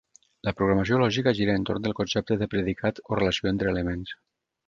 La programació lògica gira entorn del concepte de predicat, o relació entre elements.